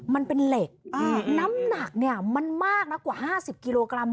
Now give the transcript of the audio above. มันเป็นเหล็กน้ำหนักเนี่ยมันมากนะกว่า๕๐กิโลกรัม